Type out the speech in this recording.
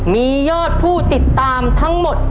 มียอดผู้ติดตามทั้งหมด